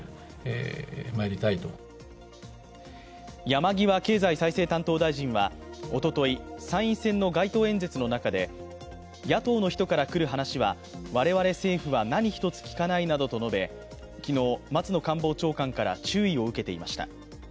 山際経済再生担当大臣は、おととい参院選の街頭演説の中で野党の人から来る話は我々政府は何一つ聞かないなどと述べ昨日、松野官房長官から注意を受けていました。